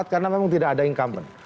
karena memang tidak ada incumbent